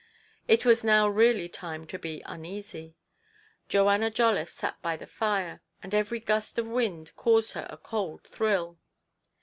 It was now really time to be uneasy. Joanna Jolliffe sat by the fire, and every gust of wind caused her a cold thrill.